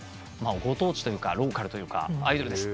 ご当地というかローカルというかアイドルです。